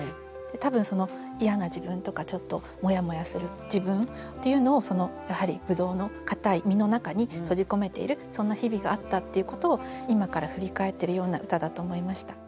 多分その嫌な自分とかちょっとモヤモヤする自分っていうのをやはりぶどうのかたい実の中に閉じ込めているそんな日々があったっていうことを今から振り返っているような歌だと思いました。